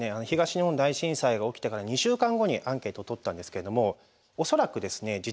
東日本大震災が起きてから２週間後にアンケートをとったんですけども恐らくですね